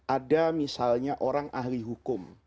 ada misalnya orang ahli hukum